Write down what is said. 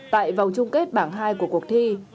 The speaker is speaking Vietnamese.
tại vòng chung kết bảng hai của cuộc thi